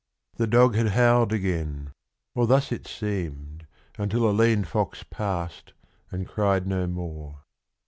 The dog had howled again or thus it seemed Until a lean fox passed and cried no more.